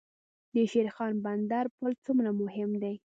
د شیرخان بندر پل څومره مهم دی؟